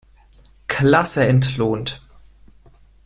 Klasse entlohnt.